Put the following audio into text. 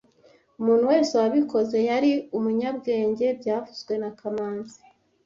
Umuntu wese wabikoze yari umunyabwenge byavuzwe na kamanzi